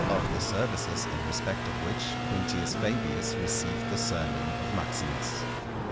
Of the services in respect of which Quintius Fabius received the surname of Maximus.